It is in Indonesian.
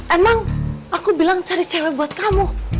emang aku bilang cari cewek buat kamu